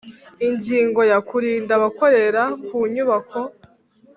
Ingingo ya Kurinda abakorera ku nyubako